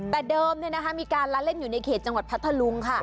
แต่เดิมมีการละเล่นอยู่ในเขตจังหวัดพัทธลุงค่ะ